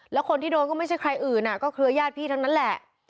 แล้วคนที่โดนก็ไม่ใช่ใครอื่นก็เครือญาติพี่ทั้งนั้นแหละ